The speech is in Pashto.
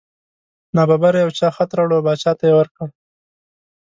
نا ببره یو چا خط راوړ او باچا ته یې ورکړ.